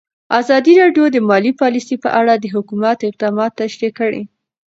ازادي راډیو د مالي پالیسي په اړه د حکومت اقدامات تشریح کړي.